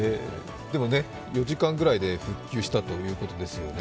でもね、４時間ぐらいで復旧したということですよね。